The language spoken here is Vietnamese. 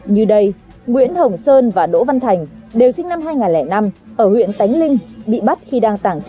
như đây nguyễn hồng sơn và đỗ văn thành đều sinh năm hai nghìn năm ở huyện tánh linh bị bắt khi đang tàng trữ